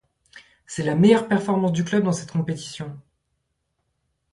C'est la meilleure performance du club dans cette compétition.